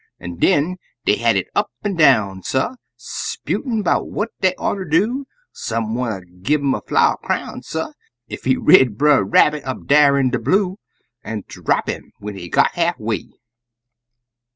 An' den dey had it up an' down, suh, 'Sputin' 'bout what dey oughter do, Some wanter gi' 'im a flower crown, suh, Ef he rid Brer Rabbit up dar in de blue, An' drap 'im when he got half way.